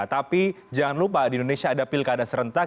tapi jangan lupa di indonesia ada pilkada serentak